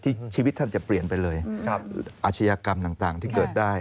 ชีวิตท่านจะเปลี่ยนไปเลยอาชญากรรมต่างที่เกิดได้